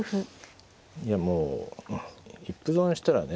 いやもう一歩損をしたらね